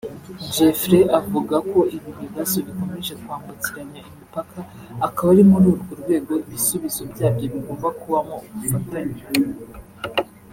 Jeffrey avuga ko ibi bibazo bikomeje kwambukiranya imipaka akaba ari muri urwo rwego ibisubizo byabyo bigomba kubamo ubufatanye